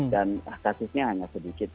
dan kasusnya hanya sedikit